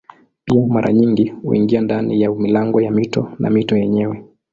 Pia mara nyingi huingia ndani ya milango ya mito na mito yenyewe.